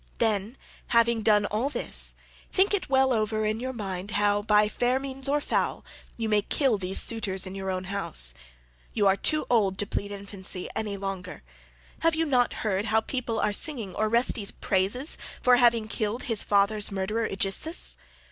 Then, having done all this, think it well over in your mind how, by fair means or foul, you may kill these suitors in your own house. You are too old to plead infancy any longer; have you not heard how people are singing Orestes' praises for having killed his father's murderer Aegisthus?